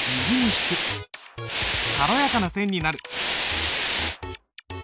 軽やかな線になる。